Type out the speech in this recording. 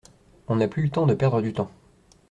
On n’a plus le temps de perdre du temps.